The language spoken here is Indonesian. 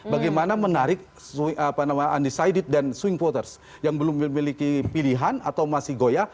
bagaimana menarik undecided dan swing voters yang belum memiliki pilihan atau masih goya